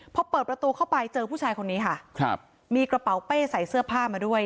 พอเปิดประตูเข้าไปเจอผู้ชายคนนี้ค่ะครับมีกระเป๋าเป้ใส่เสื้อผ้ามาด้วย